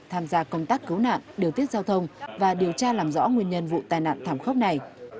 tham gia công tác cứu nạn điều tiết giao thông và điều tra làm rõ nguyên nhân vụ tai nạn thảm khốc này